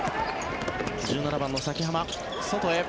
１７番の崎濱、外へ。